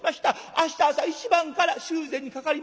明日朝一番から修繕にかかります。